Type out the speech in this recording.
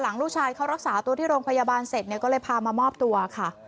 ลูกชายเขารักษาตัวที่โรงพยาบาลเสร็จเนี่ยก็เลยพามามอบตัวค่ะ